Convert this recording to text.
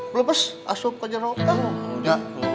belum pas asyik kejar orang